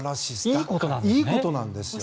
いいことなんですね。